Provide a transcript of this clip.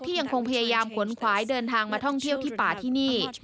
ยังคงพยายามขนขวายเดินทางมาท่องเที่ยวที่ป่าที่นี่